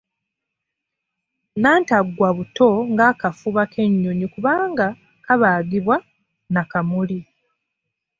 Nnantaggwa buto ng’akafuba k’ennyonyi kubanga kabaagibwa na kamuli.